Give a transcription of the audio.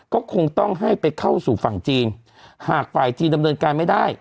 ก็คงต้องให้ไปเข้าสู่ฝั่งจีนหากฝ่ายจีนดำเนินการไม่ได้